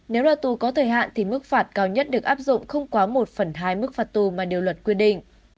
nếu ra tù có thời hạn thì mức phạt cao nhất được áp dụng không quá một phần hai mức phạt tù mà điều luật quy định